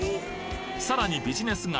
さらにビジネス街